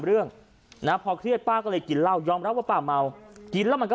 เรื่องนะพอเครียดป้าก็เลยกินเหล้ายอมรับว่าป้าเมากินแล้วมันก็